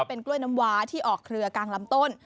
เป็นกล้วยน้ำวาที่ออกเครือกลางลำต้น